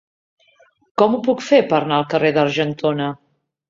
Com ho puc fer per anar al carrer d'Argentona?